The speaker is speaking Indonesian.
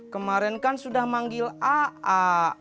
kemaren kan sudah manggil a'a